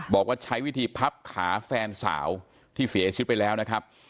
บอกว่าใช้วิธีพับขาแฟนสาวที่เสียชีวิตไปแล้วนะครับ